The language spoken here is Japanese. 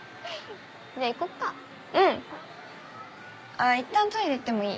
あいったんトイレ行ってもいい？